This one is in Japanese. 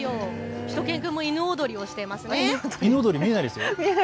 しゅと犬くんも犬踊りをしていますね。